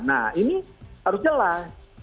nah ini harus jelas